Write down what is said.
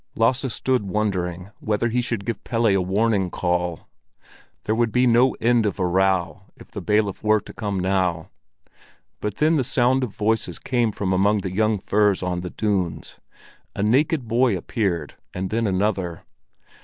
Lasse stood wondering whether he should give Pelle a warning call; there would he no end of a row if the bailiff were to come now. But then the sound of voices came from among the young firs on the dunes, a naked boy appeared, and then another.